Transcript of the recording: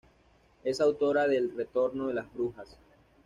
Es autora de "El retorno de las Brujas.